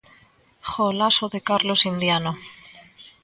Golazo de Carlos Indiano.